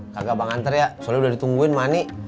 kagak bang antar ya soalnya udah ditungguin emak ani